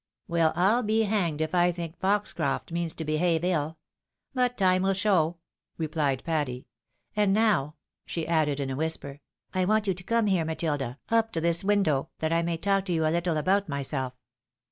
Well, I'll be hanged if I think Foxcroft means to behave ill; but time wiU show!" replied Patty. "And now," she added in a whisper, " I want you to come here, Matilda, up to this window, that I may talk to you a Httle about myself.